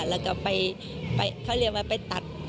แล้วก็ไปเขาเรียกว่าไปตัดต่อ